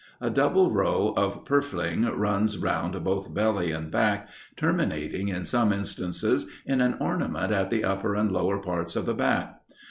A double row of purfling runs round both belly and back, terminating in some instances in an ornament at the upper and lower parts of the back.